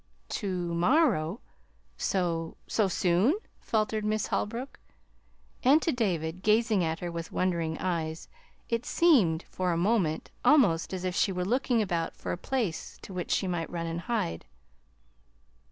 "To morrow? So so soon?" faltered Miss Holbrook. And to David, gazing at her with wondering eyes, it seemed for a moment almost as if she were looking about for a place to which she might run and hide.